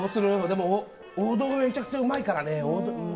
王道もめちゃくちゃうまいからね。